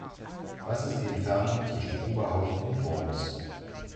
Was ist die Entfernung zwischen Oberhausen und Worms?